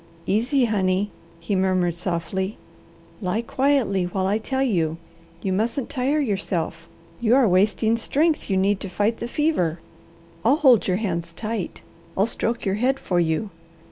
"Easy, honey," he murmured softly. "Lie quietly while I tell you. You mustn't tire yourself. You are wasting strength you need to fight the fever. I'll hold your hands tight, I'll stroke your head for you.